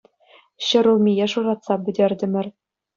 Ҫӗр улмие шуратса пӗтертӗмӗр.